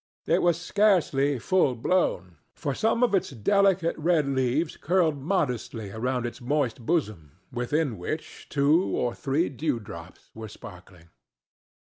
It was scarcely full blown, for some of its delicate red leaves curled modestly around its moist bosom, within which two or three dewdrops were sparkling.